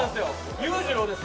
勇次郎です